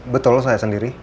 betul saya sendiri